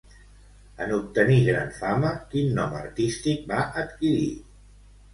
En obtenir gran fama, quin nom artístic va adquirir?